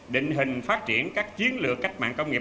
định hình phát triển các chiến lược cách mạng công nghiệp bốn